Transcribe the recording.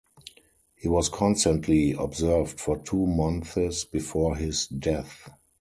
He was constantly observed for two months before his death.